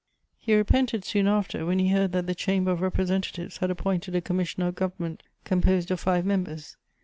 He repented soon after, when he heard that the Chamber of Representatives had appointed a Commission of Government composed of five members.